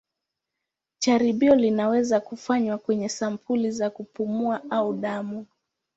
Jaribio linaweza kufanywa kwenye sampuli za kupumua au damu.